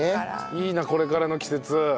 いいなこれからの季節。